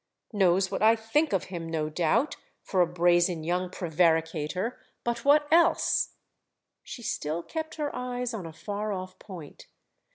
"Knows what I think of him, no doubt—for a brazen young prevaricator! But what else?" She still kept her eyes on a far off point.